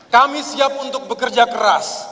kami siap untuk bekerja keras